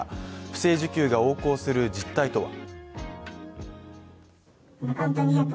不正受給が横行する実態とは。